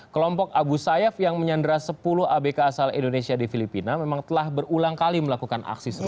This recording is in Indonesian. kelompok abu sayyaf yang menyandra sepuluh abk asal indonesia di filipina memang telah berulang kali melakukan aksi serupa